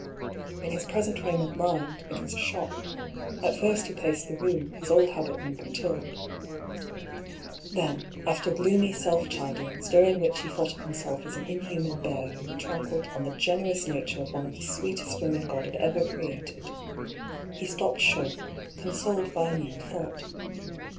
In his present frame of mind, it was a shock. At first he paced the room, his old habit when perturbed. 15 220 ^^ PAULL'S THEORY. Then after gloomy self chidings, during which he thought of himself as an inhuman bear who had trampled on the generous nature of one of the sweetest women God had ever created — he stopped short, con soled by a new thought.